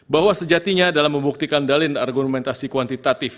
bahwa sejatinya dalam membuktikan dalin argumentasi kuantitatif